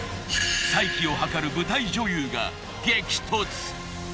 再起をはかる舞台女優が激突。